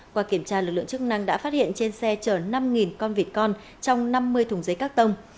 qua kiểm tra lực lượng chức năng đã phát hiện trên xe chở năm con vịt con trong năm mươi thùng giấy các tông